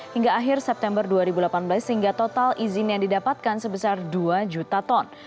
hingga akhir september dua ribu delapan belas sehingga total izin yang didapatkan sebesar dua juta ton